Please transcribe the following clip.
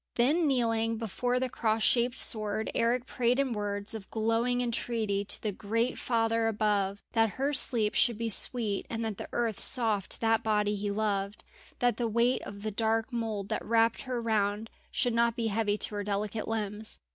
Then kneeling before the cross shaped sword, Eric prayed in words of glowing entreaty to the great Father above, that her sleep should be sweet and the earth soft to that body he loved, that the weight of the dark mould that wrapped her round should not be heavy to her delicate limbs.